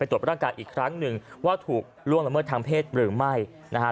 ตรวจร่างกายอีกครั้งหนึ่งว่าถูกล่วงละเมิดทางเพศหรือไม่นะฮะ